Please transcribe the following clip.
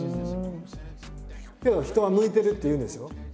けど人は「向いてる」って言うんですよ。